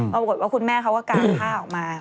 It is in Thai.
ปรากฏว่าคุณแม่เขาก็กางผ้าออกมา